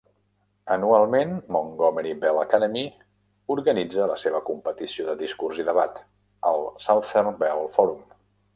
Anualment, Montgomery Bell Academy organitza la seva competició de discurs i debat, el Southern Bell Forum.